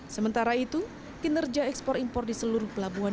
sementara itu kinerja ekspor impor di seluruh pelabuhan